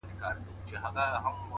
وخت د سستۍ تاوان زیاتوي؛